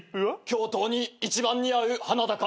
教頭に一番似合う花だから。